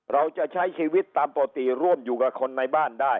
เราจะใช้ชีวิตตามปกติร่วมอยู่กับคนในบ้านได้